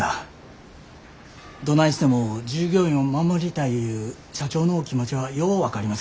どないしても従業員を守りたいいう社長のお気持ちはよう分かります。